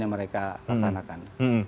yang mereka pasangkan